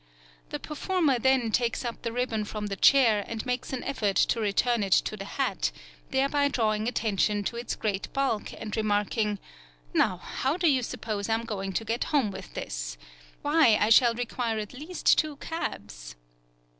The performer then takes up the ribbon from the chair and makes an effort to return it to the hat, thereby drawing attention to its great bulk, and remarking, "Now, how do you suppose I am going to get home with this? Why, I shall require at least two cabs."